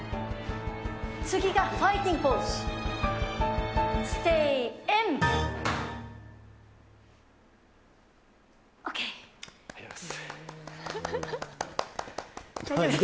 次がファイティングポーズ。